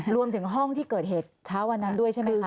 รวมถึงห้องที่เกิดเหตุเช้าวันนั้นด้วยใช่ไหมคะ